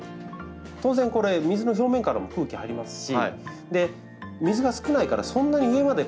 当然これ水の表面からも空気入りますし水が少ないからそんなに上まで吸い上がっていきにくいんですね。